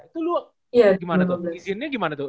itu lo gimana tuh izinnya gimana tuh